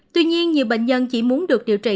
tuy nhiên nhiều bệnh nhân chỉ muốn được điều trị